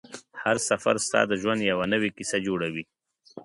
هر سفر ستا د ژوند یوه نوې کیسه جوړوي